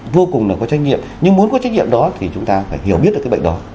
vô cùng là có trách nhiệm nhưng muốn có trách nhiệm đó thì chúng ta phải hiểu biết được cái bệnh đó